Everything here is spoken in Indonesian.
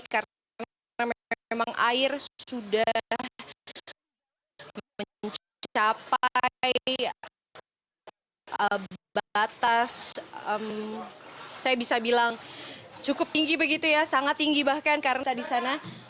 karena memang air sudah mencapai batas saya bisa bilang cukup tinggi begitu ya sangat tinggi bahkan karena di sana